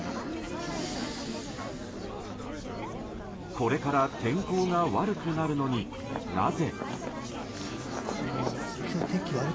これから天候が悪くなるのになぜ。